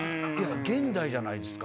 現代じゃないですか。